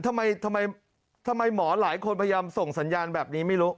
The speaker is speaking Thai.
ทำไมทำไมหมอหลายคนพยายามส่งสัญญาณแบบนี้ไม่รู้